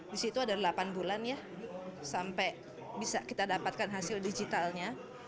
di situ ada delapan bulan ya sampai bisa kita dapatkan hasil digitalnya